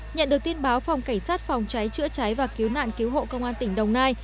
nhận được tin báo phòng cảnh sát phòng cháy chữa cháy và cứu nạn cứu hộ công an tỉnh đồng nai